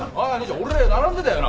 俺並んでたよな？